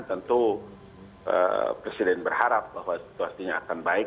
tentu presiden berharap bahwa situasinya akan baik